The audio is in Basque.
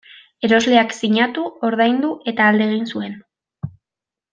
Erosleak sinatu, ordaindu eta alde egin zuen.